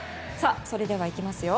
それではいきますよ